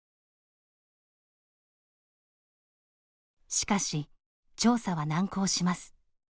しかし、調査は難航します。